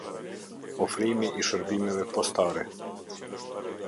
Ofrimi i shërbimeve postare.